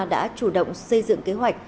đã chủ động xây dựng kế hoạch